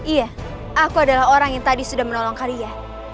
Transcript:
iya aku adalah orang yang tadi sudah menolong karya